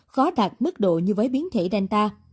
khó đạt mức độ như với biến thể delta